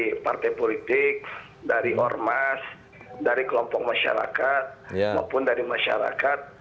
dari partai politik dari ormas dari kelompok masyarakat maupun dari masyarakat